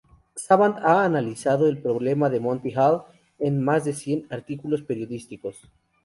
Savant ha analizado el problema de Monty Hall en más de cien artículos periodísticos.